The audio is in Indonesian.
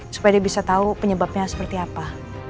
supaya dia bisa tahu penyebabnya seperti apa